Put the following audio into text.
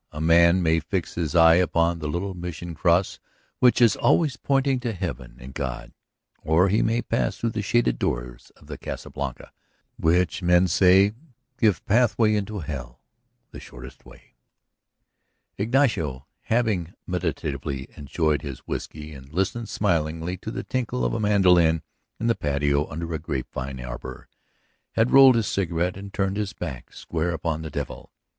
A man may fix his eye upon the little Mission cross which is always pointing to heaven and God; or he may pass through the shaded doors of the Casa Blanca, which, men say, give pathway into hell the shortest way. Ignacio, having meditatively enjoyed his whiskey and listened smilingly to the tinkle of a mandolin in the patio under a grape vine arbor, had rolled his cigarette and turned his back square upon the devil